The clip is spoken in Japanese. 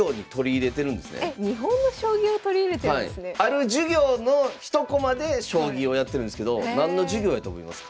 ある授業の一コマで将棋をやってるんですけど何の授業やと思いますか？